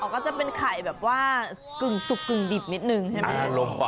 ก็จะเป็นไข่สุกนิดหนึ่ง